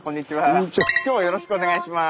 あよろしくお願いします。